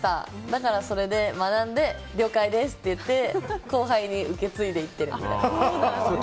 だから、それで学んで了解ですって言って後輩に受け継いでいってるみたいな。